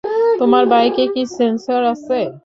তোমার বাইকে কি সেন্সর আছে?